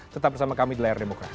tetap bersama kami di layar demokrasi